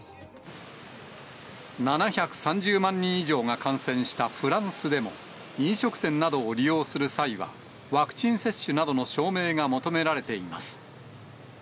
７３０万人以上が感染したフランスでも、飲食店などを利用する際は、ワクチン接種などの証明が求められています。